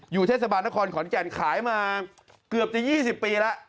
เทศบาลนครขอนแก่นขายมาเกือบจะ๒๐ปีแล้ว